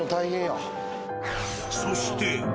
そして。